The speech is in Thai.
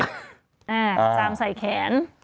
จามใส่แขน